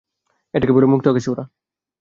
এটাকে বলে মু্ক্ত আকাশে উড়া।